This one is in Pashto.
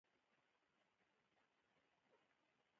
دا نوی دی